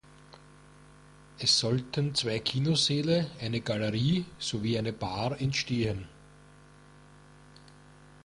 Es sollten zwei Kinosäle, eine Galerie sowie eine Bar entstehen.